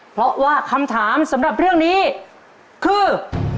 เพราะว่าคำถามสำหรับเรื่องนี้คือ